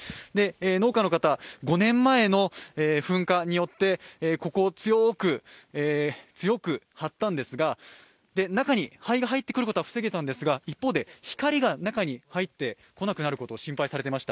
農家の方、５年前の噴火によってここを強く張ったんですが、中に灰が入ってくることは防げたんですが一方で光が中に入ってこなくなることを心配されていました。